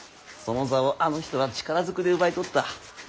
その座をあの人は力ずくで奪い取った。